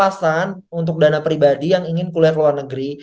atau emang dananya pas pasan untuk dana pribadi yang ingin kuliah ke luar negeri